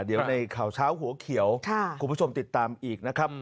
เดี๋ยวในข่าวเช้าหัวเขียวคุณผู้ชมติดตามอีกนะครับ